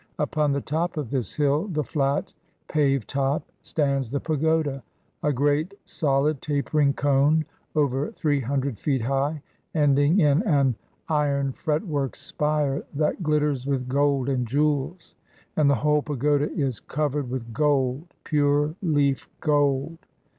Upon the top of this hill, the flat paved top, stands the pagoda, a great solid tapering cone over three hundred feet high, ending in an iron fretwork spire that glitters with gold and jewels; and the whole pagoda is covered with gold pure leaf gold.